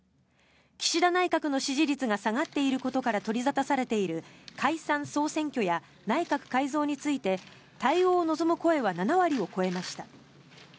岸田内閣の支持率が下がっていることから取り沙汰されている解散・総選挙や内閣改造について対応を望む声は７割を超えました。